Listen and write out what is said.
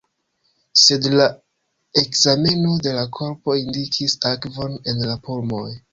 Sed la ekzameno de la korpo indikis akvon en la pulmoj.